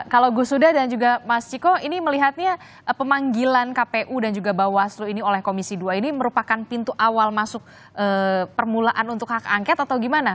kalau gus duda dan juga mas ciko ini melihatnya pemanggilan kpu dan juga bawaslu ini oleh komisi dua ini merupakan pintu awal masuk permulaan untuk hak angket atau gimana